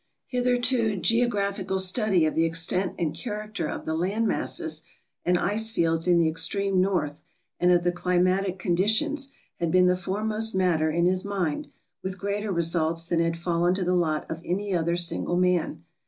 Hitherto geographi cal study of the extent and character of the land masses and ice fields in the extreme north, and of the climatic conditions, had been the foremost matter in his mind, with greater results than had fallen to the lot of any other single man.